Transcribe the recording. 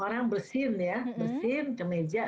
orang bersin ya bersin ke meja